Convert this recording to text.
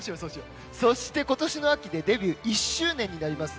そして今年の秋でデビュー１周年になります